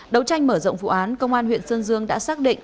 đấu tranh mở rộng vụ án công an huyện sơn dương đã xác định